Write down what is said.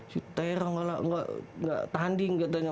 sitarang lah nggak tanding katanya